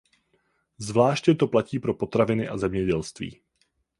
Zvláště to platí pro potraviny a zemědělství.